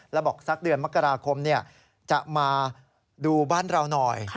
แล้วบอกสักเดือนมกราคมจะมาดูบ้านเราหน่อย